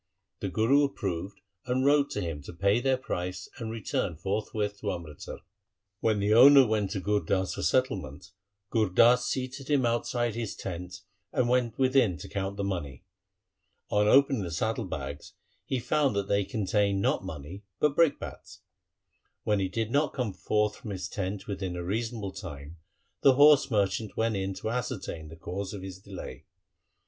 The Guru approved and wrote to him to pay their price and return forthwith to Amritsar. When the owner went to Gur Das for settlement, Gur Das seated him outside his tent and went within to count the money. On opening the saddle bags he found that they contained not money but brick bats. When he did not come forth from his tent within a reasonable time, the horse merchant went in to ascertain the cause of his delay.